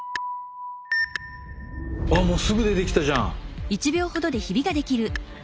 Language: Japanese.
ああもうすぐ出てきたじゃん！